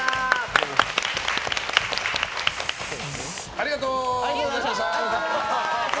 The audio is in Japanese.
ありがとう！